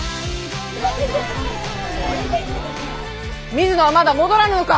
水野はまだ戻らぬのか！